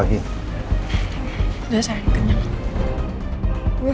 udah sayang kenyang